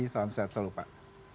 salam sehat selalu pak